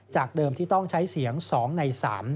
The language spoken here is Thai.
จากเดิมที่ต้องใช้เสียง๒ใน๓